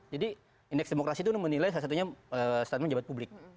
jadi indeks demokrasi itu menilai salah satunya statement pejabat publik